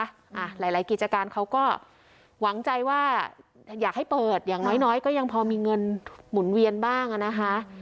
หลายหลายกิจการเขาก็หวังใจว่าอยากให้เปิดอย่างน้อยน้อยก็ยังพอมีเงินหมุนเวียนบ้างอ่ะนะคะ